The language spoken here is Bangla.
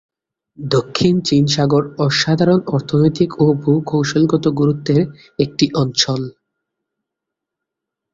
দক্ষিণ চীন সাগর অসাধারণ অর্থনৈতিক ও ভূ-কৌশলগত গুরুত্বের একটি অঞ্চল।